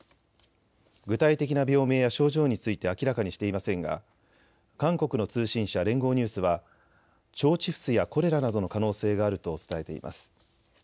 具体的な病名や症状について明らかにしていませんが韓国の通信社、連合ニュースは腸チフスやコレラなどの可能性があると伝えています。